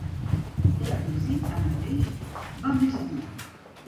La crisi, tanmateix, va més enllà.